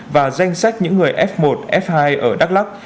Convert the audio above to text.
và danh sách những người f một f hai ở đắk lắc